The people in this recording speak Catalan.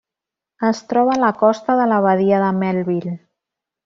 Es troba a la costa de la Badia de Melville.